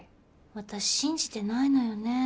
私信じてないのよね。